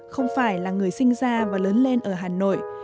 không phải là người sinh ra và lớn lên ở hà nội